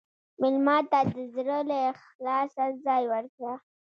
مېلمه ته د زړه له اخلاصه ځای ورکړه.